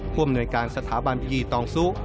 ควบหน่วยการสถาบันพยีตองสู้